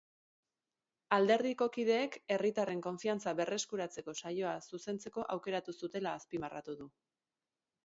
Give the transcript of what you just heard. Alderdiko kideek herritarren konfiantza berreskuratzeko saioa zuzentzeko aukeratu zutela azpimarratu du.